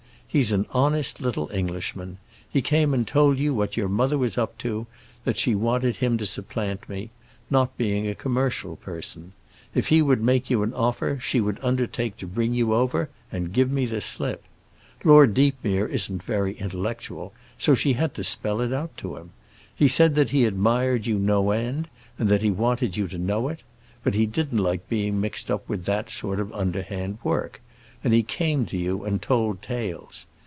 He's an honest little Englishman. He came and told you what your mother was up to—that she wanted him to supplant me; not being a commercial person. If he would make you an offer she would undertake to bring you over and give me the slip. Lord Deepmere isn't very intellectual, so she had to spell it out to him. He said he admired you 'no end,' and that he wanted you to know it; but he didn't like being mixed up with that sort of underhand work, and he came to you and told tales.